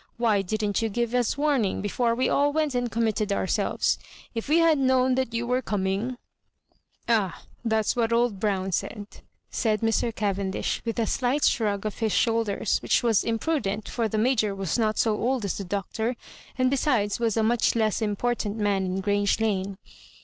Why didn't you give us warning before we all went and committed ourselves ? If we had J known that you were coming " Ah, that's what old Brown said, said Mr. Cavendish, with a slight shrug of his shoulders ; which was imprudent, for the Major was not so old as the Doctor, and besides was a much less important man in Grange Lane.